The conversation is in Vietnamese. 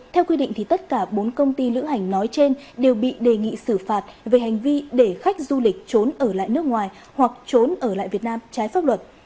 theo quy định thì tất cả bốn công ty lữ hành nói trên đều bị đề nghị xử phạt về hành vi để khách du lịch trốn ở lại nước ngoài hoặc trốn ở lại việt nam trái pháp luật